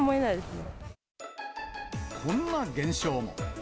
こんな現象も。